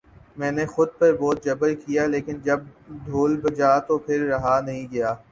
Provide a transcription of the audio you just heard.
میں نے خود پر بہت جبر کیا لیکن جب ڈھول بجا تو پھر رہا نہیں گیا